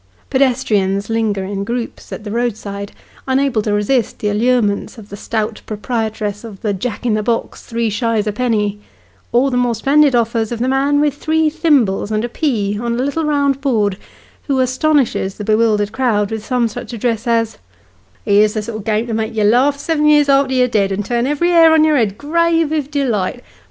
Pedestrians linger in groups at the roadside, unable to resist the allurements of the stout proprietress of the " Jack in the box, three shies a penny," or the more splendid offers of the man with three thimbles and a pea on a little round board, who astonishes the bewildered crowd with some such address as, " Here's the sort o' game to make you laugh seven years arter you're dead, and turn ev'ry air on your ed gray vith delight